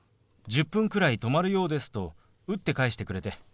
１０分くらい止まるようです」と打って返してくれて。